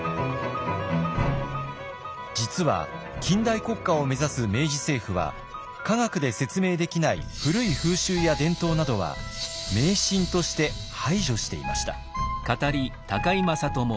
実は近代国家を目指す明治政府は科学で説明できない古い風習や伝統などは迷信として排除していました。